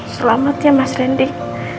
selamat ya mas randy